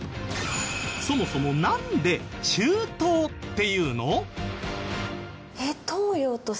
そもそもなんで「中東」っていうの？